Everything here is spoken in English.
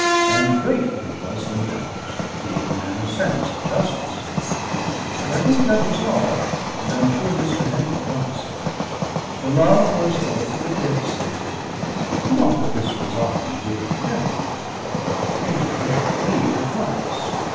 And grateful he was, no doubt, being a man of sense and justice. But I think that was all, and I am sure Mr. Henry thought so. The love was all for the dead son. Not that this was often given breath to; indeed, with me but once.